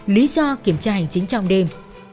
lý do kiểm tra hành chính trong đêm